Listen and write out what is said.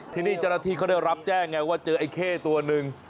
ที่นี่เจ้าหน้าที่เขาได้รับแจ้งไงว่าเจอไอ้เข้ตัวหนึ่ง